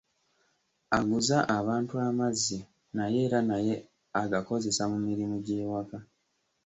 Aguza abantu amazzi naye era naye agakozesa mu mirimu gy'ewaka.